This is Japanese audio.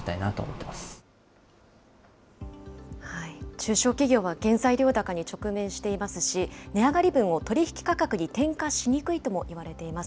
中小企業は原材料高に直面していますし、値上がり分を取り引き価格に転嫁しにくいともいわれています。